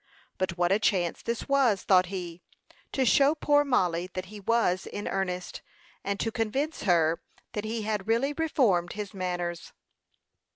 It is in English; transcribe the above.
But what a chance this was, thought he, to show poor Mollie that he was in earnest, and to convince her that he had really reformed his manners.